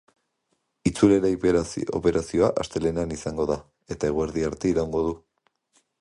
Itzulera operazioa astelehenean izango da, eta eguerdia arte iraungo du.